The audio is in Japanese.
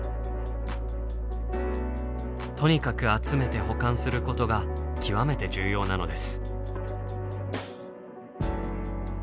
とにかく集めて保管することが極めて重要なのです。